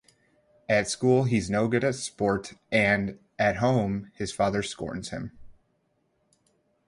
At school he's no good at sport and, at home, his father scorns him.